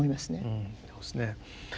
うんそうですね。